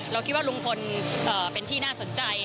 เราคิดว่าลุงพลเป็นที่น่าสนใจ